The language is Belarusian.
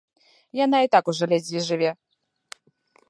Яна і так ужо ледзьве жыве.